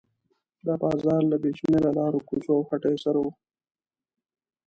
دا بازار له بې شمېره لارو کوڅو او هټیو سره و.